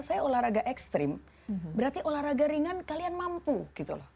saya olahraga ekstrim berarti olahraga ringan kalian mampu gitu loh